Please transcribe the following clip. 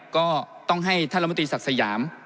ก็ต้องให้ท่านรัฐมนตรีศักดิ์สยาม